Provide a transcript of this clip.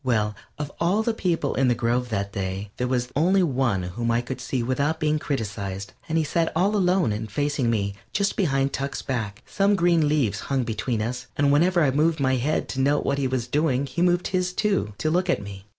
Well, of all the people in the grove that day there was only one whom I could see without being criticized, and he sat all alone and facing me, just behind Tuck's back. Some green leaves hung between us, and whenever I moved my head to note what he was doing he moved his, too, to look at me.